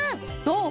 どう？